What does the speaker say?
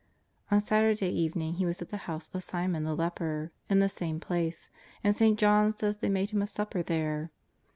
On Saturday evening He was at the house of Simon the Leper, in the same place, and St. John says they made Him a supper there.